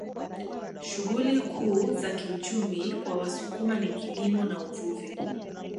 Shughuli kuu za kiuchumi kwa Wasukuma ni kilimo na uvuvi